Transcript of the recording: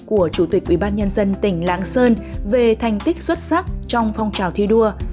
của chủ tịch ubnd tỉnh lạng sơn về thành tích xuất sắc trong phong trào thi đua